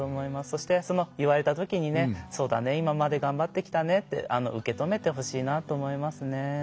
そして、言われたときにそうだね、今まで頑張ってきたねって受け止めてほしいなって思いますね。